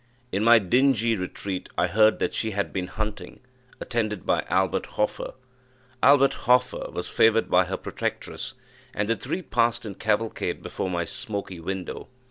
In my dingy retreat I heard that she had been hunting, attended by Albert Hoffer. Albert Hoffer was favoured by her protectress, and the three passed in cavalcade before my smoky window.